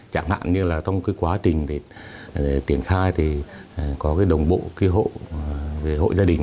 chẳng hạn như trong quá trình để tiến khai thì có đồng bộ hội gia đình